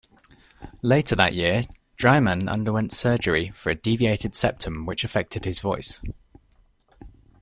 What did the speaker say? Later that year, Draiman underwent surgery for a deviated septum which affected his voice.